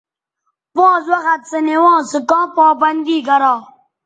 پانز وخت سونوانز سو کاں پابندی گرا